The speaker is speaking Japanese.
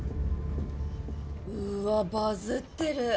・うわバズってる。